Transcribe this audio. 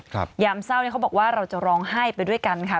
ยามเศร้าเนี่ยเขาบอกว่าเราจะร้องไห้ไปด้วยกันค่ะ